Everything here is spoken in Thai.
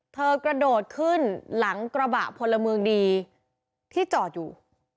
กระโดดขึ้นหลังกระบะพลเมืองดีที่จอดอยู่